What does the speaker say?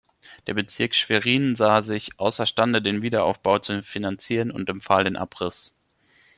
Der Bezirk Schwerin sah sich außerstande den Wiederaufbau zu finanzieren und empfahl den Abriss.